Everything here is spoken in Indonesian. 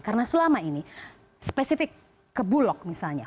karena selama ini spesifik ke bulog misalnya